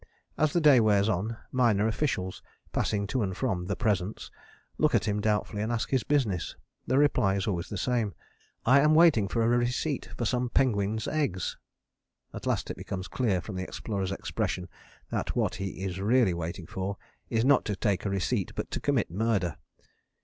As the day wears on, minor officials, passing to and from the Presence, look at him doubtfully and ask his business. The reply is always the same, "I am waiting for a receipt for some penguins' eggs." At last it becomes clear from the Explorer's expression that what he is really waiting for is not to take a receipt but to commit murder.